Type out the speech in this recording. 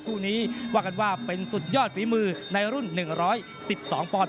คู่นี้ว่ากันว่าเป็นสุดยอดฝีมือในรุ่น๑๑๒ปอนด